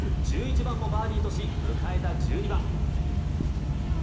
１１番もバーディーとし迎えた１２番。